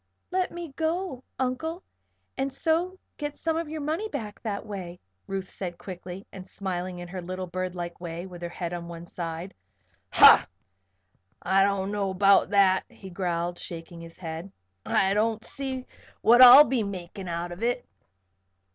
"Let me go, Uncle, and so get some of your money back that way," Ruth said, quickly, and smiling in her little, birdlike way with her head on one side. "Ha! I don't know about that," he growled, shaking his head. "I don't see what I'll be makin' out of it."